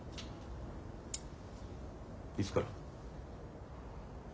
いつから？